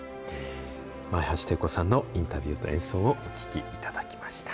前橋汀子さんのインタビューと演奏をお聴きいただきました。